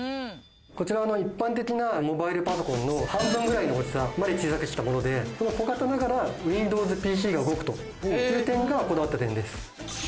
こちらは一般的なモバイルパソコンの半分ぐらいの大きさまで小さくしたもので小型ながらＷｉｎｄｏｗｓＰＣが動くという点がこだわった点です。